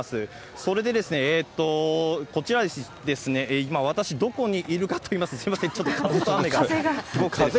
それで、こちらですね、今、私、どこにいるかといいますと、すみません、ちょっと雨と風がすごくて。